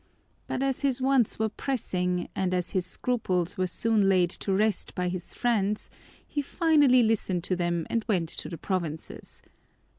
But as his wants were pressing and as his scruples were soon laid to rest by his friends he finally listened to them and went to the provinces.